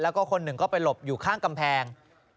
แล้วก็คนหนึ่งก็ไปหลบอยู่ข้างกำแพง